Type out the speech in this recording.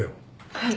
はい。